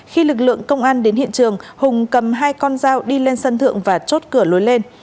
khi lực lượng công an đến hiện trường hùng cầm hai con dao đi lên sân thượng và chốt cửa lối lên